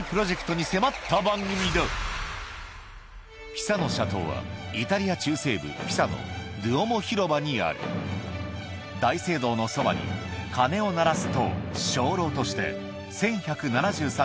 ピサの斜塔はイタリア中西部ピサのドゥオモ広場にある大聖堂のそばに鐘を鳴らす塔